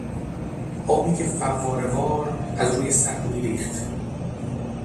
آبی که فوارهوار از روی سد میریخت